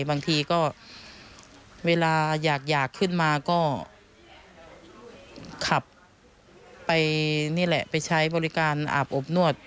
บางทีก็เวลาอยากขึ้นมาก็ขับไปนี่แหละไปใช้บริการอาบอบนวด